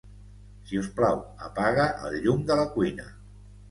Si us plau, apaga el llum de la cuina.